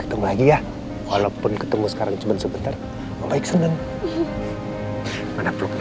ketemu lagi ya walaupun ketemu sekarang cuman sebentar baik senang mana pluknya